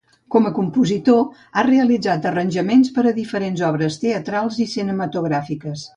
Com a compositor, ha realitzat arranjaments per a diferents obres teatrals i cinematogràfiques.